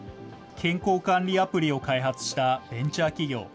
健康管理アプリを開発したベンチャー企業。